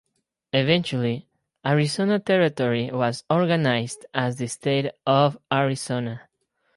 Eventually, Arizona Territory was organized as the State of Arizona.